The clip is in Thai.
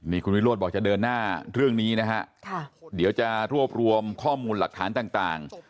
นี่คุณวิโรธบอกจะเดินหน้าเรื่องนี้นะฮะเดี๋ยวจะรวบรวมข้อมูลหลักฐานต่าง